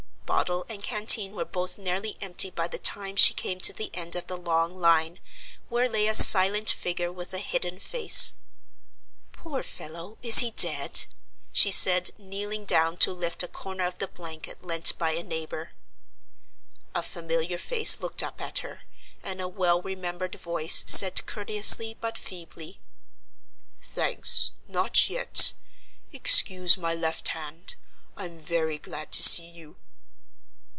Bottle and canteen were both nearly empty by the time she came to the end of the long line, where lay a silent figure with a hidden face. "Poor fellow, is he dead?" she said, kneeling down to lift a corner of the blanket lent by a neighbor. A familiar face looked up at her, and a well remembered voice said courteously, but feebly: "Thanks, not yet. Excuse my left hand. I'm very glad to see you."